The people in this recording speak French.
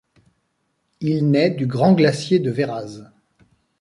Il naît du Grand glacier de Verraz.